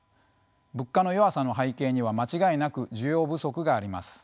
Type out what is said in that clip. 物価の弱さの背景には間違いなく需要不足があります。